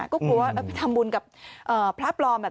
ก็กลัวว่าไปทำบุญกับพระปลอม